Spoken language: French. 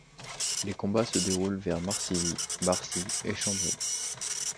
Les combats se déroulent vers Marcilly, Barcy et Chambry.